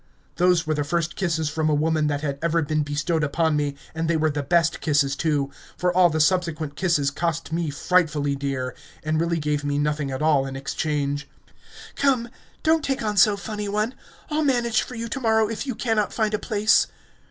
Those were the first kisses from a woman that had ever been bestowed upon me, and they were the best kisses too, for all the subsequent kisses cost me frightfully dear, and really gave me nothing at all in exchange. "Come, don't take on so, funny one! I'll manage for you to morrow if you cannot find a place."